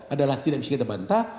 adalah tidak bisa kita bantah